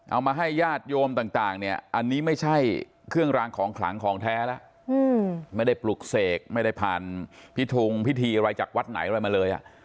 เอามาให้ญาติโยมต่างเนี่ยอันนี้ไม่ใช่เครื่องรางของขลังของแท้แล้วไม่ได้ปลุกเสกไม่ได้ผ่านพิทงพิธีอะไรจากวัดไหนอะไรมาเลย